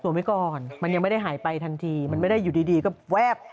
ไว้ก่อนมันยังไม่ได้หายไปทันทีมันไม่ได้อยู่ดีก็แวบ